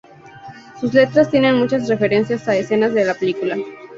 Sus letras tienen muchas referencias a escenas de la película.